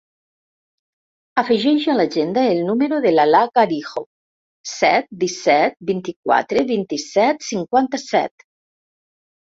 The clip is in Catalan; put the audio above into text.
Afegeix a l'agenda el número de l'Alaa Garijo: set, disset, vint-i-quatre, vint-i-set, cinquanta-set.